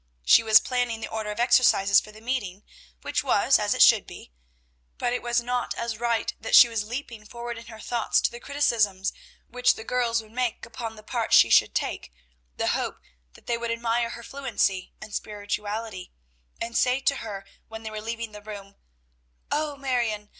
She was planning the order of exercises for the meeting, which was as it should be; but it was not as right that she was leaping forward in her thoughts to the criticisms which the girls would make upon the part she should take, the hope that they would admire her fluency and spirituality, and say to her when they were leaving the room, "O Marion!